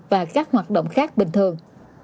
và các hoạt động khác bình thường